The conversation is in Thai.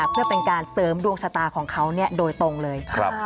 เพื่อเป็นการเสริมดวงชะตาของเขาโดยตรงเลย